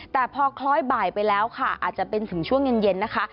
แต่พอคล้อยบ่ายไปแล้วค่ะอาจจะเป็นถึงช่วงเย็นนะคะ